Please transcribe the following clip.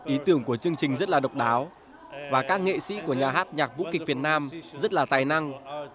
ý tưởng của chương trình rất là độc đáo và các nghệ sĩ của nhà hát nhạc vũ kịch việt nam rất là tài năng